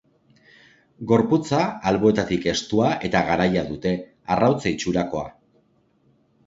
Gorputza alboetatik estua eta garaia dute, arrautza itxurakoa.